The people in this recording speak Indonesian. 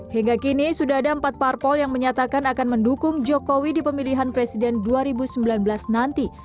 hingga kini sudah ada empat parpol yang menyatakan akan mendukung jokowi di pemilihan presiden dua ribu sembilan belas nanti